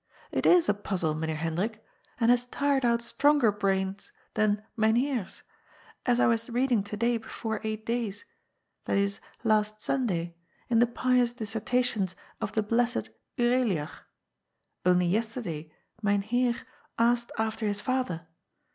It is a pnzzle, Meneer Hendrik, and has tired ont stronger brains than Myn Heer's, as I was reading to day before eight days (i. e. last Sunday) in the pious dissertations of the blessed Ureliag. Only yesterday Myn Heer asked after his father.